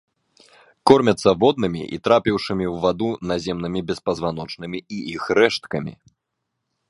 Кормяцца воднымі і трапіўшымі ў ваду наземнымі беспазваночнымі і іх рэшткамі.